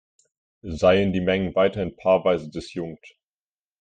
Seien die Mengen weiterhin paarweise disjunkt.